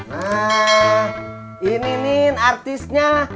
nah ini nih artisnya